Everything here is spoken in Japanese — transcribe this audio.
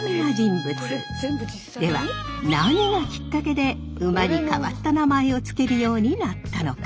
では何がきっかけで馬に変わった名前を付けるようになったのか？